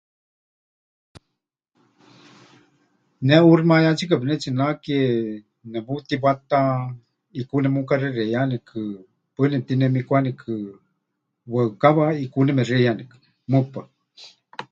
Ne ʼuuximayátsika pɨnetsinake, neputiwata ʼikú nemukaxexeiyanikɨ, paɨ nemɨtinemikwanikɨ, waɨkawa ʼikú nemexeiyanikɨ, mɨpaɨ.